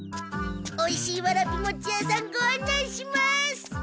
おいしいわらび餅屋さんごあんないします。